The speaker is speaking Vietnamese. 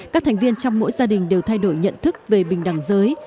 các thành viên trong mỗi gia đình đều thay đổi nhận thức về bình đẳng giới